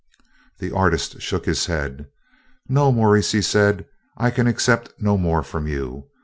The artist shook his head. "No, Maurice," he said, "I can accept no more from you.